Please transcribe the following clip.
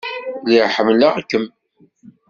Lliɣ ḥemmleɣ-kem.